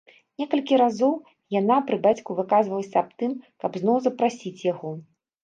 Некалькі разоў яна пры бацьку выказвалася аб тым, каб зноў запрасіць яго.